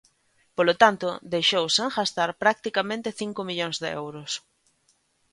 Polo tanto, deixou sen gastar practicamente cinco millóns de euros.